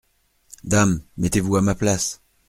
Dame !… mettez-vous à ma place !…